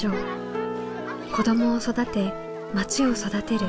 子どもを育てまちを育てる。